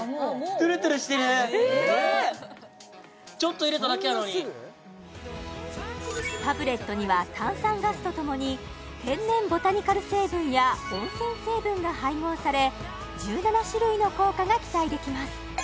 すごいちょっと入れただけやのにタブレットには炭酸ガスとともに天然ボタニカル成分や温泉成分が配合され１７種類の効果が期待できます